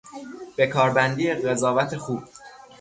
به کاربندی قضاوت خوب